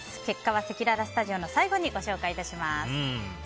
結果はせきららスタジオの最後にご紹介致します。